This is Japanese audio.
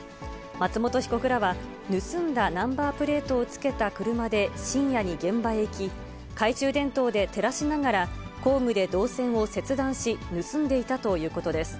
松本被告らは、盗んだナンバープレートをつけた車で深夜に現場へ行き、懐中電灯で照らしながら、工具で銅線を切断し、盗んでいたということです。